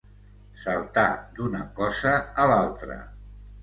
Saltar d'una cosa a l'altra.